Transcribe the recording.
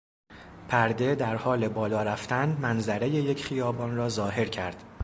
پرده در حال بالا رفتن منظرهی یک خیابان را ظاهر کرد.